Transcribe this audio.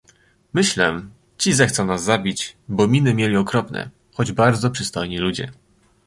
"myślę, ci zechcą nas zabić, bo miny mieli okropne, choć bardzo przystojni ludzie."